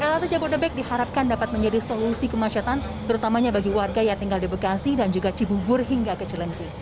lrt jabodebek diharapkan dapat menjadi solusi kemacetan terutamanya bagi warga yang tinggal di bekasi dan juga cibubur hingga ke cilengsi